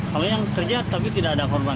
kalau yang kerja tapi tidak ada korban